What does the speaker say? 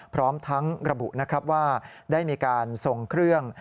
พร้อมทั้งระบุนะครับว่าได้มีการส่งเครื่อง